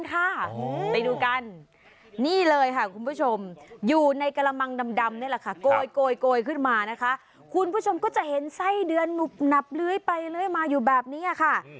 ขึ้นมานะคะคุณผู้ชมก็จะเห็นไส้เดือนหมุบหนับลื้อยไปเลยมาอยู่แบบนี้ค่ะ